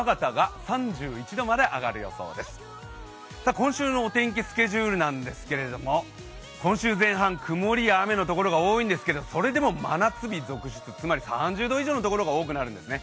今週のお天気スケジュールなんですけれども今週前半、曇りや雨のところが多いんですがそれでも真夏日続出、つまり３０度以上のところが多くなるんですね。